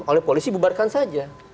oleh polisi bubarkan saja